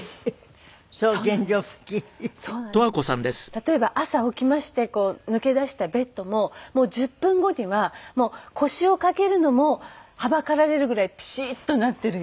例えば朝起きまして抜け出したベッドももう１０分後には腰をかけるのもはばかられるぐらいピシーッとなっているよね？